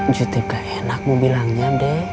ibu gak enak mau bilangnya